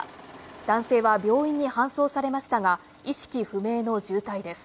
男性は病院に搬送されましたが意識不明の重体です。